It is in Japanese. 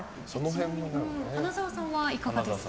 花澤さんは、いかがですか？